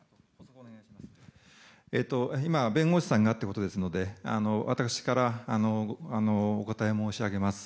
今、弁護士さんがということですので私からお答え申し上げます。